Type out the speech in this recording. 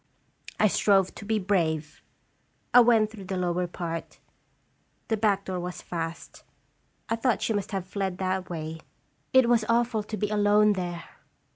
I strove to be brave. I went through the lower part. The back door was fast. I thought she must have fled that way. It was awful to be alone there